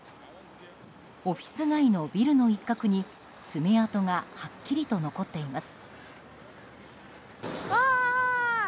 オフィス街のビルの一角に爪痕がはっきりと残っています。